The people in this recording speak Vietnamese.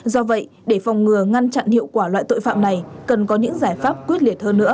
do vậy để phòng ngừa ngăn chặn hiệu quả loại tội phạm này cần có những giải pháp quyết liệt hơn nữa